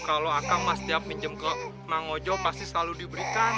kalo akang pas tiap minjem ke mang ojo pasti selalu diberikan